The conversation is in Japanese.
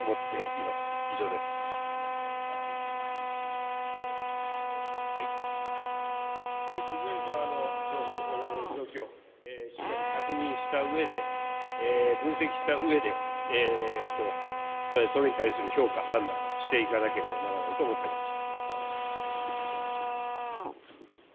いずれにせよ、情報、状況をしっかり確認、分析したうえで、それに対する評価、判断をしていかなければならないと思っています。